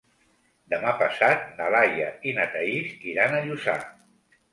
Demà passat na Laia i na Thaís iran a Lluçà.